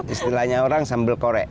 istilahnya orang sambal kore